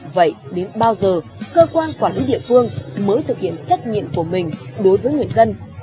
vậy đến bao giờ cơ quan quản lý địa phương mới thực hiện trách nhiệm của mình đối với người dân